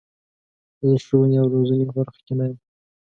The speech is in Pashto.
زه د ښوونې او روزنې په برخه کې نه یم.